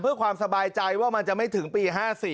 เพื่อความสบายใจว่ามันจะไม่ถึงปี๕๔